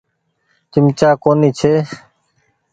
چمچآ ڪونيٚ ڇي۔